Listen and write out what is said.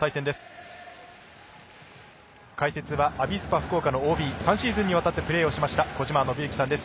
解説はアビスパ福岡のＯＢ３シーズンにわたってプレーしました小島伸幸さんです。